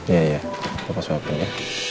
ya ya papa suapin ya